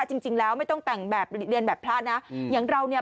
จริงแล้วไม่ต้องแต่งแบบเรียนแบบพระนะอย่างเราเนี่ย